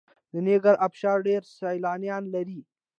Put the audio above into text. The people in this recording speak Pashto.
د نیاګرا ابشار ډیر سیلانیان لري.